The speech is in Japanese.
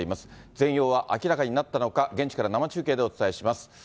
全容は明らかになったのか、現地から生中継でお伝えします。